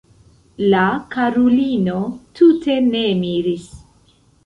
La karulino tute ne miris.